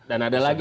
dan ada lagi